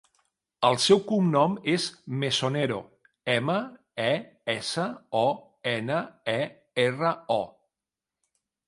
El seu cognom és Mesonero: ema, e, essa, o, ena, e, erra, o.